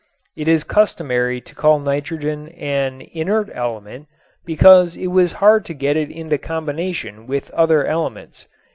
It is customary to call nitrogen "an inert element" because it was hard to get it into combination with other elements.